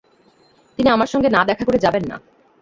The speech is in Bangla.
তিনি আমার সঙ্গে না দেখা করে যাবেন না।